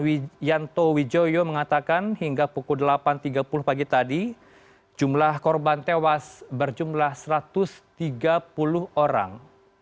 dan yanto wijoyo mengatakan hingga pukul delapan tiga puluh pagi tadi jumlah korban tewas berjumlah satu ratus tiga puluh orang